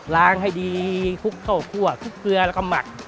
ล้างให้ดีคลุกครับขัวกเคลือแล้วก็หมัก